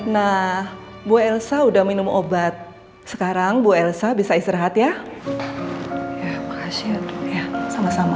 nah bu elsa udah minum obat sekarang bu elsa bisa istirahat ya makasih ya sama sama